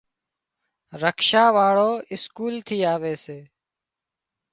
رڪشا واۯو اسڪول ٿي آوي سي۔